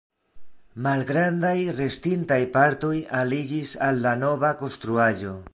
Malgrandaj restintaj partoj aliĝis al la nova konstruaĵo.